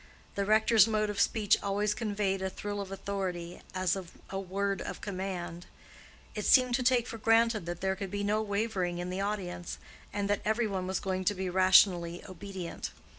The rector's mode of speech always conveyed a thrill of authority, as of a word of command: it seemed to take for granted that there could be no wavering in the audience, and that every one was going to be rationally obedient.